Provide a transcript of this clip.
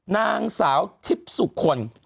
นางสาวทิพย์สุคล